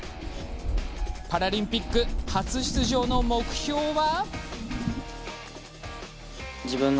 パラリンピック初出場の目標は？